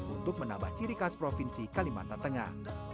untuk menambah ciri khas provinsi kalimantan tengah